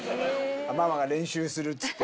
ママが練習するっつって。